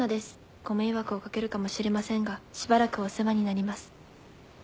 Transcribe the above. ご迷惑をかけるかもしれませんがしばらくお世話になります。